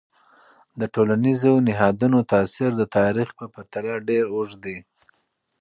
د ټولنیزو نهادونو تاثیر د تاریخ په پرتله ډیر اوږد دی.